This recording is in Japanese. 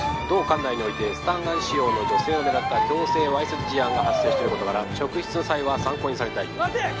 同管内においてスタンガン使用の女性を狙った強制わいせつ事案が発生していることから職質の際は参考にされたい・待て！